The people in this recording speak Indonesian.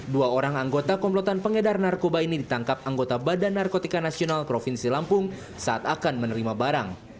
dua orang anggota komplotan pengedar narkoba ini ditangkap anggota badan narkotika nasional provinsi lampung saat akan menerima barang